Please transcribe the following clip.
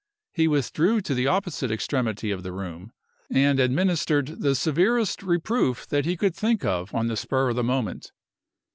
He withdrew to the opposite extremity of the room, and administered the severest reproof that he could think of on the spur of the moment.